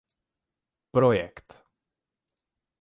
Projekt.